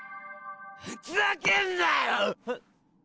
ふざけんなよ？